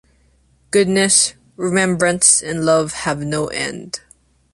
Goodness, remembrance, and love have no end.